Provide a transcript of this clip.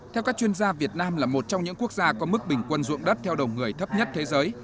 theo các chuyên gia việt nam là một trong những quốc gia có mức bình quân ruộng đất theo đồng người thấp nhất thế giới